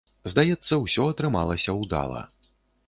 Здаецца, усё атрымалася ўдала.